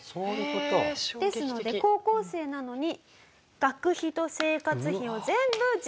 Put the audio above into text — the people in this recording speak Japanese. ですので高校生なのに。